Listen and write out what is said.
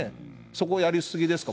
そこ、やり過ぎですか？